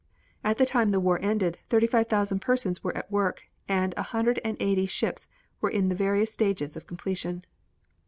At the time the war ended thirty five thousand persons were at work and a hundred and eighty ships were in various stages of completion.